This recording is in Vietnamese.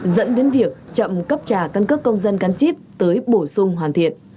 dẫn đến việc chậm cấp trả căn cước công dân gắn chip tới bổ sung hoàn thiện